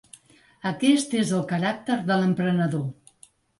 Aquest és el caràcter de l’emprenedor.